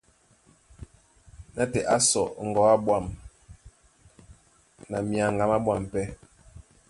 Nátɛɛ á sɔ̌ ŋgɔ̌ á ɓwâm na myaŋga má ɓwâm pɛ́.